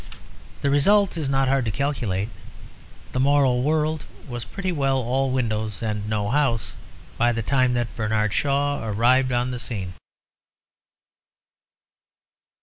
The result is not hard to calculate: the moral world was pretty well all windows and no house by the time that Bernard Shaw arrived on the scene.